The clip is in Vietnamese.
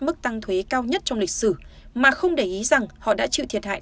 mức tăng thuế cao nhất trong lịch sử mà không để ý rằng họ đã chịu thiệt hại